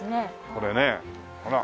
これねほら。